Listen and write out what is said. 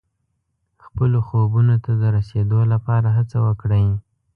خپلو خوبونو ته د رسېدو لپاره هڅه وکړئ.